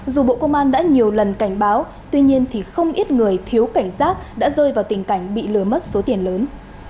dù bộ công an đã nhiều lần cảnh báo tuy nhiên thì không ít người thiếu cảnh giác đã rơi vào tình cảnh bị lừa mất số tiền lớn